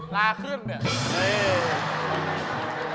ลาครึ่ง